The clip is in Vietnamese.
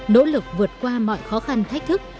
nỗ lực vượt qua mọi khó khăn thách thức